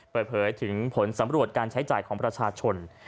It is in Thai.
เปิดเผยถึงผลสำรวจการใช้จ่ายของประชาชน